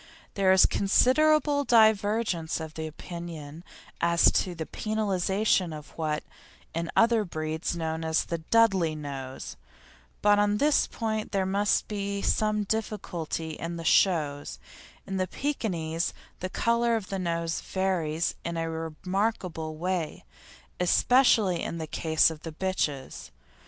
There is considerable divergence of opinion as to the penalisation of what, in other breeds, is known as a "Dudley" nose, but on this point there must be some difficulty at shows; in the Pekinese the colour of the nose varies in a remarkable way, especially in the case of the bitches.